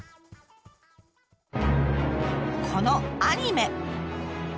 このアニメ！